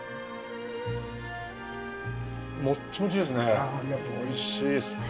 もっちもっちですね。